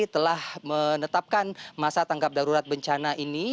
telah menetapkan masa tanggap darurat bencana ini